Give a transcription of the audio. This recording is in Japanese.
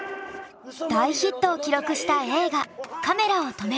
大ヒットを記録した映画「カメラを止めるな！」。